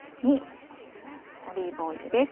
オリーブオイルです。